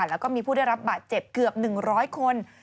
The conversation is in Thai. แล้วก็มีผู้ได้รับบาดเจ็บเกือบ๑๐๐คน